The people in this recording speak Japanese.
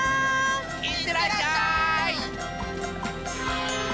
いってらっしゃい！